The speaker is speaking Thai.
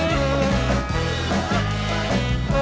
รับทราบ